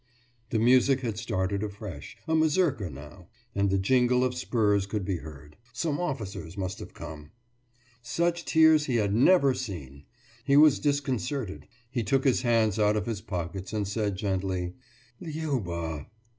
The music had started afresh; a mazurka now. And the jingle of spurs could be heard. Some officers must have come. Such tears he had never seen! He was disconcerted. He took his hands out of his pockets, and said gently: »Liuba!